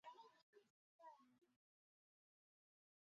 这种武器有最佳的突击步枪的枪管长度及总长度之间的比例。